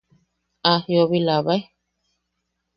¿A jiʼobilabae?